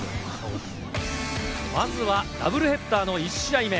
まずはダブルヘッダーの１試合目。